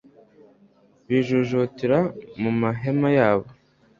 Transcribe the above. bijujutira mu mahema yabo